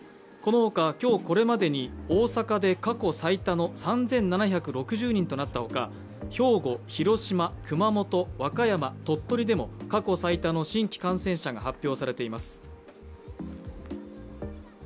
このほか、今日これまでに大阪で過去最多の３７６０人となったほか、兵庫、広島、熊本、和歌山、鳥取でも過去最多の新規感染者が発表されています。